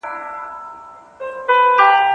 مغرور خلک هیڅکله په خپل چلند کي عاجزي نه لري.